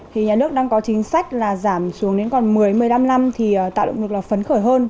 thì nhà nước đang có chính sách là giảm xuống đến còn một mươi một mươi năm năm thì tạo động lực là phấn khởi hơn